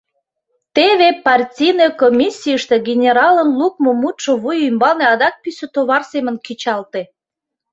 Теве партийный комиссийыште генералын лукмо мутшо вуй ӱмбалне адак пӱсӧ товар семын кечалте.